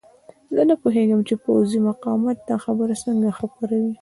زه نه پوهېږم چې پوځي مقامات دا خبره څنګه خپروي.